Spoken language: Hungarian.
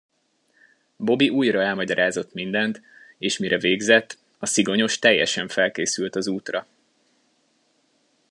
Bobby újra elmagyarázott mindent, és mire végzett, a Szigonyos teljesen felkészült az útra.